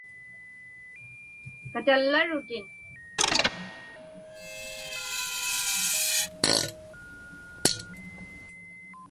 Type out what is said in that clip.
Katallarutin.